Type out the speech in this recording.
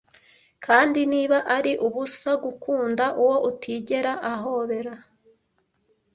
kandi niba ari ubusa gukunda uwo utigera ahobera